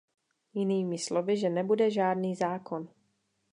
Jinými slovy, že nebude žádný zákon.